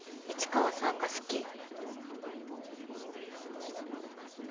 市川さんが好き。